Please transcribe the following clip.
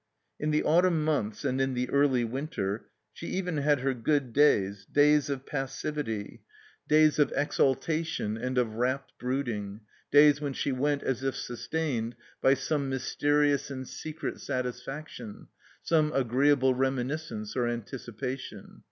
In the autumn months and in the early winter she even had her good days, days of passmt^ ^ ^a:3^ ^i 323 THE COMBINED MAZE exaltation and of rapt brooding, days when she went as if sustained by some mysterious and secret satis faction, some agreeable reminiscence or anticipa tion.